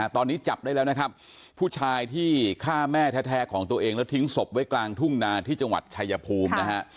ตอนนี้จับได้แล้วนะครับผู้ชายที่ฆ่าแม่แท้ของตัวเองแล้วทิ้งศพไว้กลางทุ่งนาที่จังหวัดชายภูมินะฮะ